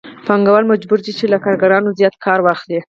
پانګوال مجبور دی چې له کارګرانو زیات کار واخلي